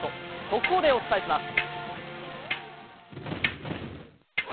速報でお伝えします。